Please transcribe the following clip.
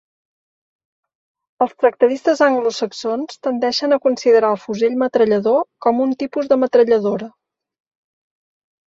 Els tractadistes anglosaxons tendeixen a considerar el fusell metrallador com un tipus de metralladora.